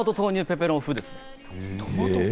ペペロン風です。